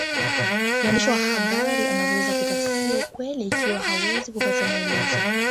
Mwandishi wa habari anaweza kutafsiri ukweli ikiwa hawezi kupata maelezo